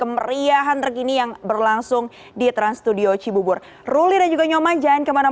w judas m laugh b